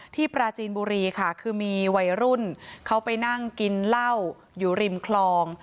ปราจีนบุรีค่ะคือมีวัยรุ่นเขาไปนั่งกินเหล้าอยู่ริมคลอง